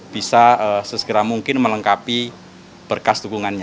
bisa sesegera mungkin melengkapi berkas dukungannya